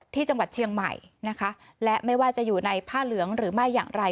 ที่จังหวัดเชียงใหม่นะคะและไม่ว่าจะอยู่ในผ้าเหลืองหรือไม่อย่างไร